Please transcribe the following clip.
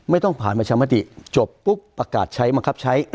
ไม่ต้องผ่านประชามาร์ติจบปุ๊บปรากฏใช้มากับใช้